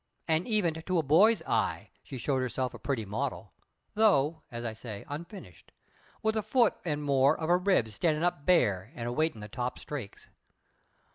And even to a boy's eye she showed herself a pretty model, though (as I say) unfinished, with a foot and more of her ribs standing up bare and awaiting the top strakes.